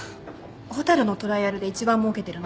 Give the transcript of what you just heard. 蛍のトライアルで一番もうけてるのって？